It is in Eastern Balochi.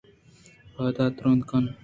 پاداں تُرٛند کن